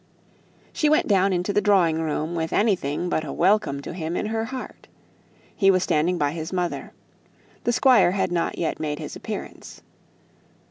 She went down into the drawing room with anything but a welcome to him in her heart. He was standing by his mother; the Squire had not yet made his appearance.